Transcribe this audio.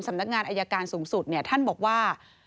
สำนักงานอายการสูงสุดท่านบอกว่า